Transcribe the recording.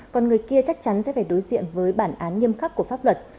còn người kia chắc chắn sẽ phải đối diện với bản án nghiêm khắc của pháp luật